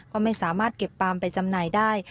ก็ไม่สามารถเก็บปามไปจำหน่ายได้